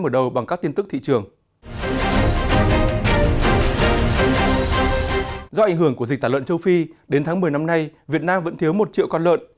do ảnh hưởng của dịch tả lợn châu phi đến tháng một mươi năm nay việt nam vẫn thiếu một triệu con lợn